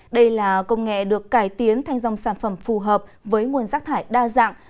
đây là công nghệ được cải tiến thành dòng sản phẩm phù hợp với nguồn rác thải đa dạng